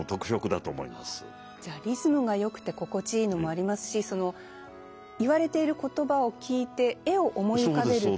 じゃあリズムがよくて心地いいのもありますしその言われている言葉を聞いて絵を思い浮かべるという。